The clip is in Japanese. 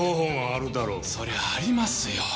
そりゃありますよ。